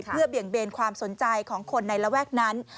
เพื่อเบี่ยงเบนความสนใจของคนในระแวกนั้น